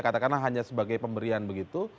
katakanlah hanya sebagai pemberian begitu